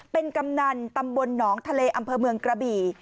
เป็นกำนันตำบลหนองทะเลอำเภอเมืองกระบี่